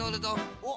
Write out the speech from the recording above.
おっ。